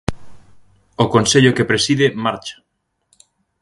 O consello que preside marcha.